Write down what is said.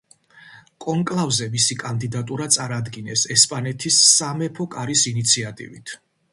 კონკლავზე მისი კანდიდატურა წარადგინეს ესპანეთის სამეფო კარის ინიციატივით.